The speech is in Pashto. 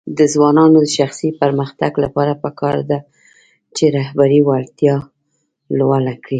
د ځوانانو د شخصي پرمختګ لپاره پکار ده چې رهبري وړتیا لوړه کړي.